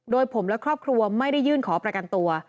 โดยผมและครอบครัวไม่ได้ยื่นขอประกันตัว